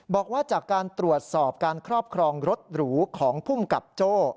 บอกว่าจากการตรวจสอบการครอบครองรถหรูของภูมิกับโจ้